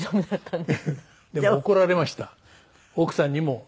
でも怒られました奥さんにも娘にも。